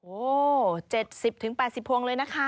โอ้์๗๐ถึง๘๐ฟวงเลยนะคะ